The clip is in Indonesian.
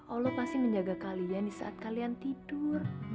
allah pasti menjaga kalian di saat kalian tidur